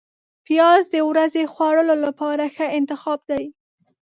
پیاز د ورځې خوړلو لپاره ښه انتخاب دی